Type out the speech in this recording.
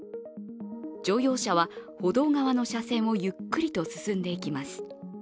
乗用車は歩道側の車線をゆっくりと進んでいきます。